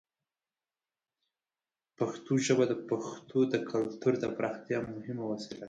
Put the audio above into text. پښتو ژبه د پښتنو د کلتور د پراختیا یوه مهمه وسیله ده.